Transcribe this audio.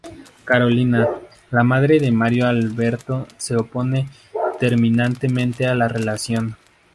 Carolina, la madre de Mario Alberto se opone terminantemente a la relación.